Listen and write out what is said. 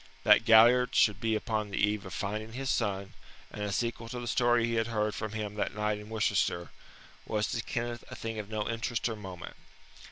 That Galliard should be upon the eve of finding his son, and a sequel to the story he had heard from him that night in Worcester, was to Kenneth a thing of no interest or moment.